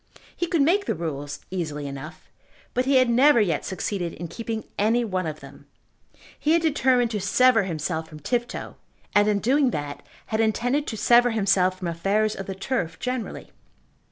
He could make the rules easily enough, but he had never yet succeeded in keeping any one of them. He had determined to sever himself from Tifto, and, in doing that, had intended to sever himself from affairs of the turf generally.